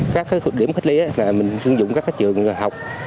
các thực điểm cách ly là mình sử dụng các trường học